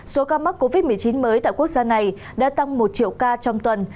số ca mắc covid một mươi chín mới tại quốc gia này đã tăng một triệu ca trong tuần